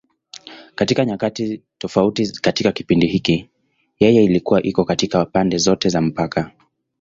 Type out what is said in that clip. Katika nyakati tofauti katika kipindi hiki, yeye ilikuwa iko katika pande zote za mpaka.